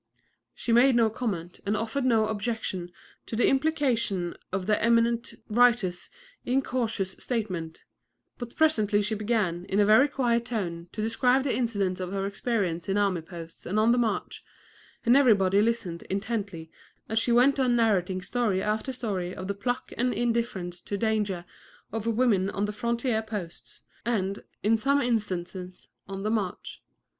She made no comment and offered no objection to the implication of the eminent writer's incautious statement; but presently she began, in a very quiet tone, to describe the incidents of her experience in army posts and on the march, and every body listened intently as she went on narrating story after story of the pluck and indifference to danger of women on the frontier posts and, in some instances, on the march.